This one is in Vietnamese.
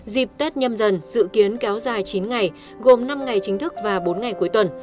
dịp tết nhâm dần dự kiến kéo dài chín ngày gồm năm ngày chính thức và bốn ngày cuối tuần